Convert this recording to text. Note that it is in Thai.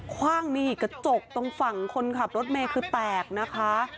คว่างนี่กระจกตรงฝั่งคนขับรถเมย์คือแตกนะคะ